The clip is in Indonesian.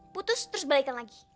putus terus balikan lagi